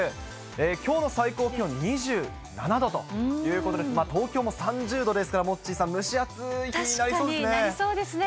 きょうの最高気温２７度ということで、東京も３０度ですから、モッチーさん、確かに、なりそうですね。